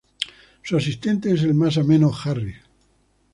Su asistente es el más ameno Harris.